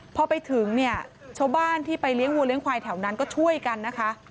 พอไปถึงเนี่ยชาวบ้านที่ไปเลี้ยงวัวเลี้ยควายแถวนั้นก็ช่วยกันนะคะ